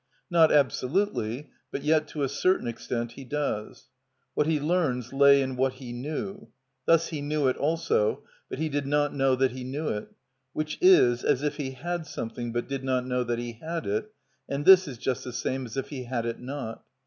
Not absolutely; but yet to a certain extent he does. What he learns lay in what he knew: thus he knew it also, but he did not know that he knew it; which is as if he had something, but did not know that he had it, and this is just the same as if he had it not.